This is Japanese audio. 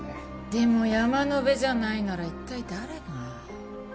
でも山野辺じゃないなら一体誰が？